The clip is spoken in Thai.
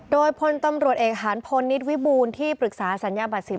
โดยพลตำรวจเอกหานพลนิดวิบูรณ์ที่ปรึกษาสัญญาบัตร๑๐